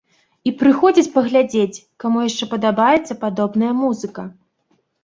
І прыходзяць паглядзець, каму яшчэ падабаецца падобная музыка.